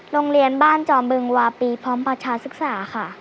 โรงเรียนบ้านจอมบึงวาปีพร้อมประชาศึกษาค่ะ